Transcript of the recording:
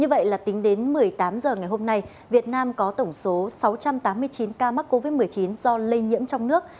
như vậy là tính đến một mươi tám h ngày hôm nay việt nam có tổng số sáu trăm tám mươi chín ca mắc covid một mươi chín do lây nhiễm trong nước